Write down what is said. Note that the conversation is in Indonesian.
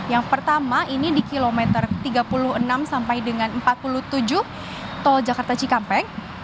yang pertama ini di kilometer tiga puluh enam sampai dengan empat puluh tujuh tol jakarta cikampek